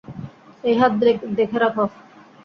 এই হাত দেখে রাখ।